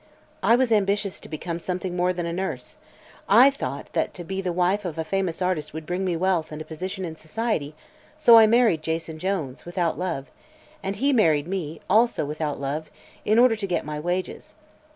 "I was ambitious to become something more than a nurse. I thought that to be the wife of a famous artist would bring me wealth and a position in society, so I married Jason Jones without love and he married me also without love in order to get my wages.